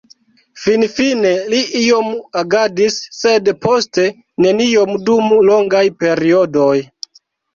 Finfine li iom agadis, sed poste neniom dum longaj periodoj.